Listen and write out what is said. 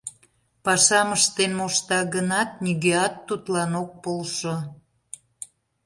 Пашам ыштен мошта гынат, нигӧат тудлан ок полшо.